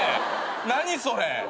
何それ？